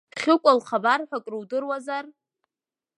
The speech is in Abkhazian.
Хьыкәа лхабар ҳәа крудыруазар?